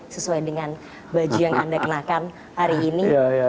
sesuai dengan baju yang anda kenakan hari ini